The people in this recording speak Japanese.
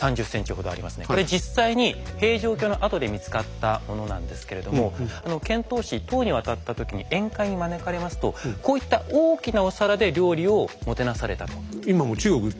これ実際に平城京の跡で見つかったものなんですけれども遣唐使唐に渡った時に宴会に招かれますとこういった大きなお皿で料理をもてなされたと。